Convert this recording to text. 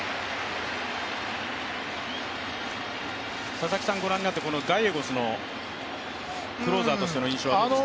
佐々木さん、ご覧になってガイエゴスのクローザーとしてはどうですか？